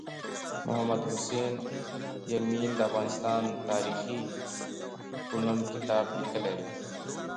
محمد حسین یمین د افغانستان تاریخي په نوم کتاب لیکلی دی